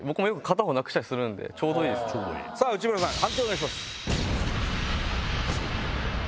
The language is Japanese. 内村さん判定をお願いします。